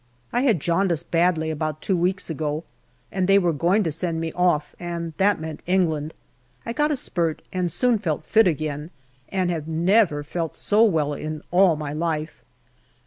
I had jaundice badly about two weeks ago, and they were going to send me off, and that meant England. I got a spurt, and soon felt fit again, and have never felt so well in all my life.